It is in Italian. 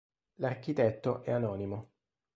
L'architetto è anonimo.